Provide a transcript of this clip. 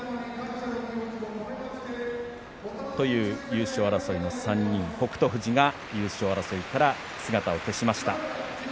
優勝争いの３人北勝富士が優勝争いから姿を消しました。